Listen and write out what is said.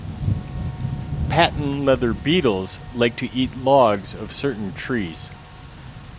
Patent-leather beetles like to eat logs of certain trees.